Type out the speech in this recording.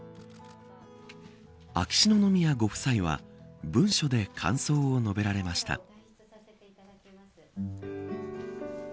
秋篠宮ご夫妻は文書で感想を述べられました。